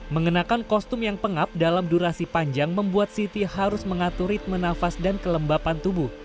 mengenakan kostum yang pengap dalam durasi panjang membuat siti harus mengatur ritme nafas dan kelembapan tubuh